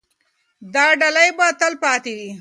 دا ډالۍ به تل پاتې وي.